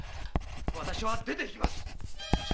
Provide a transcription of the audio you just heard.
私は出て行きます。